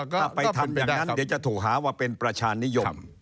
ถ้าไปทำอย่างนั้นเดี๋ยวจะถูกหาว่าเป็นประชานิยม